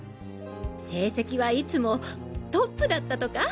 成績はいつもトップだったとか？